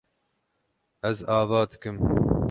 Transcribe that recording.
Ez ava dikim.